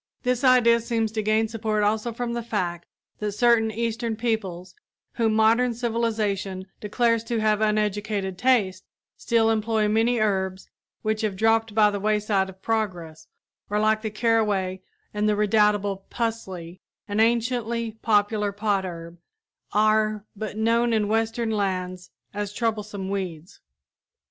This idea seems to gain support also from the fact that certain Eastern peoples, whom modern civilization declares to have uneducated tastes, still employ many herbs which have dropped by the wayside of progress, or like the caraway and the redoubtable "pusley," an anciently popular potherb, are but known in western lands as troublesome weeds.